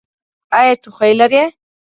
ایا ټوخی لرئ؟